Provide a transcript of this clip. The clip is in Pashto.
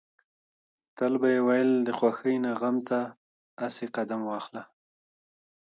تل به يې ويل د خوښۍ نه غم ته اسې قدم واخله.